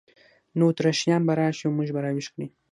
نو اتریشیان به راشي او موږ به را ویښ کړي.